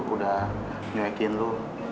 udah nyuekin lo